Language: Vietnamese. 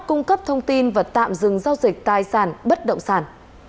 cung cấp thông tin và tạm dừng giao dịch tài sản bất động sản